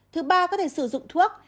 thứ ba có thể sử dụng thuốc